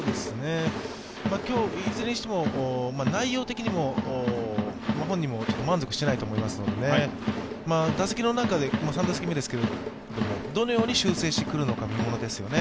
今日、いずれにしても内容的にも本人もちょっと満足していないと思いますので、打席の中で、３打席目ですが、どのように修正してくるのか見ものですよね。